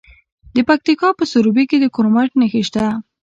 د پکتیکا په سروبي کې د کرومایټ نښې شته.